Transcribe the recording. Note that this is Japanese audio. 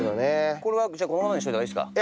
これはこのままにした方がいいですか？